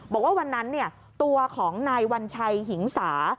บอกว่าวันนั้นตัวของนายวัญชัยหิงสา